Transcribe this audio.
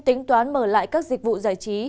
tính toán mở lại các dịch vụ giải trí